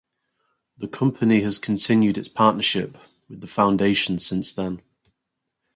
The company has continued its partnership with the Foundation since then.